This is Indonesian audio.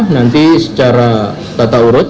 nanti secara tata urut